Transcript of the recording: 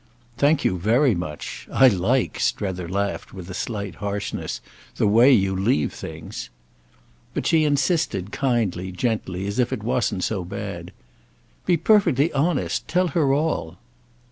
"Thank you very much. I like," Strether laughed with a slight harshness, "the way you leave things!" But she insisted kindly, gently, as if it wasn't so bad. "Be perfectly honest. Tell her all."